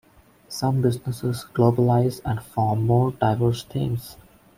Some businesses globalize and form more diverse teams.